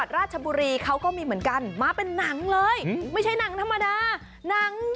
นิตยาราชกาล